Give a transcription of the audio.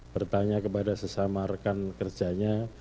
bertanya kepada sesama rekan kerjanya